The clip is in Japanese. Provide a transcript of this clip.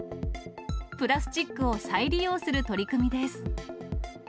プラスチックを再利用する取り組みです。